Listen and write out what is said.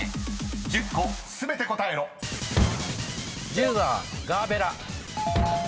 １０番ガーベラ。